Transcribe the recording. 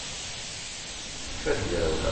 Tekfa tegrawla